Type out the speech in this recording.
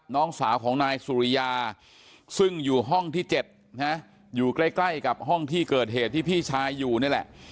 น้องสาวของนายสุริยาซึ่งอยู่ห้องที่๗นะอยู่ใกล้กับห้องที่เกิดเหตุที่พี่ชายอยู่นี่แหละ